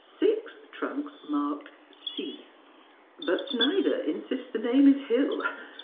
Six trunks marked C. But Snider insists the name is Hill.